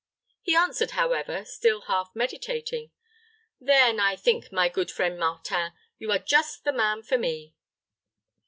He answered, however, still half meditating, "Then I think, my good friend Martin, you are just the man for me."